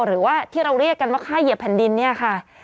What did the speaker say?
หรือว่าที่เราเรียกกันว่าค่าเหยียบแผ่นดินเนี่ยค่ะ